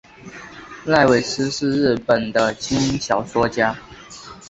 濑尾司是日本的轻小说作家。